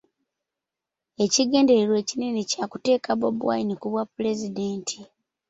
Ekigendererwa ekinene kyakuteeka Bobi Wine ku bwa pulezidenti.